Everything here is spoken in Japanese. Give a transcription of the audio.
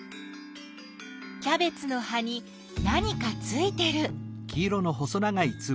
キャベツの葉に何かついてる。